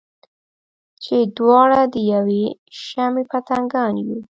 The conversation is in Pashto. چې دواړه د یوې شمعې پتنګان یو.